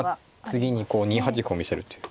次にこう２八歩を見せるという。